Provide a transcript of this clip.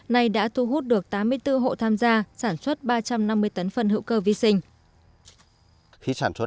này đã thu hút được tám mươi bốn hộ tham gia sản xuất ba trăm năm mươi tấn phân hữu cơ vi sinh